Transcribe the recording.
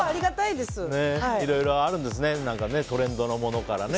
いろいろあるんですねトレンドのものからね。